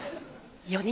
４人。